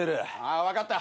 あ分かった。